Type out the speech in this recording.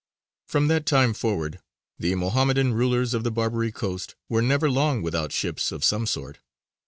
From that time forward the Mohammedan rulers of the Barbary coast were never long without ships of some sort.